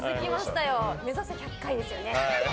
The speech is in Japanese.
目指せ１００回ですね。